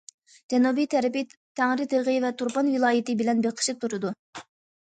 جەنۇبىي تەرىپى تەڭرىتېغى ۋە تۇرپان ۋىلايىتى بىلەن بېقىشىپ تۇرىدۇ.